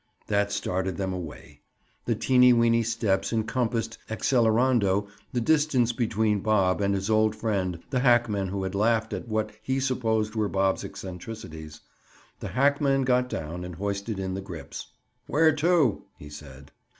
That started them away. The teeny weeny steps encompassed, accelerando, the distance between Bob and his old friend, the hackman who had laughed at what he supposed were Bob's eccentricities. The hackman got down and hoisted in the grips. "Where to?" he said.